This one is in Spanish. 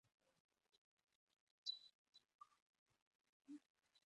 Se utiliza en barnices y como saborizante en chicles de menta.